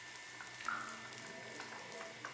فیصلے عام آدمی کے ہاتھ میں نہیں۔